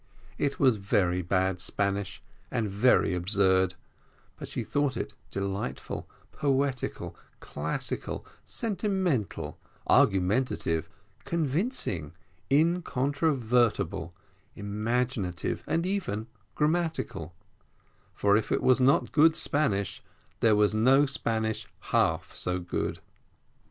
It was very bad Spanish and very absurd, but she thought it delightful, poetical, classical, sentimental, argumentative, convincing, incontrovertible, imaginative, and even grammatical, for if it was not good Spanish, there was no Spanish half so good.